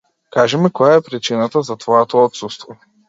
Кажи ми која е причината за твоето отсуство.